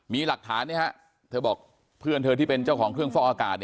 มีหลักฐานเธอบอกเพื่อนเธอที่เป็นเจ้าของเครื่องฟอกอากาศ